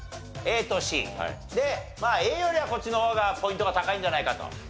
まあＡよりはこっちの方がポイントが高いんじゃないかと。